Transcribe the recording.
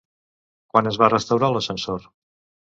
Quan es va restaurar l'ascensor?